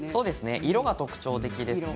色が特徴的ですね。